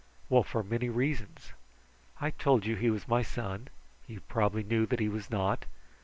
Well, for many reasons! I told you he was my son. You probably knew that he was not.